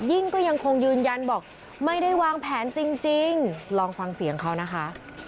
ยิ่งก็ยังคงยืนยันบอกไม่ได้วางแผนจริงลองฟังเสียงเขานะคะ